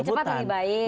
lebih cepat lebih baik